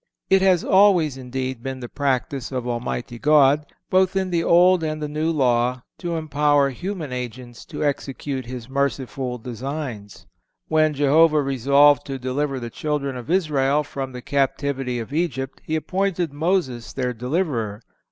It has always, indeed, been the practice of Almighty God, both in the Old and the New Law, to empower human agents to execute His merciful designs. When Jehovah resolved to deliver the children of Israel from the captivity of Egypt He appointed Moses their deliverer.